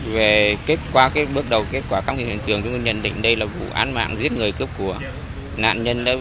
về kết quả bước đầu kết quả khám nghiệm hiện trường chúng tôi nhận định đây là vụ án mạng giết người cướp của nạn nhân lớn